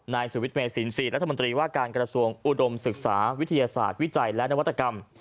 นายสุวิทย์เมสิน๔รัฐมนตรีว่าการกระทรวงอุดมศึกษาวิทยาศาสตร์วิจัยและนวัตกรรม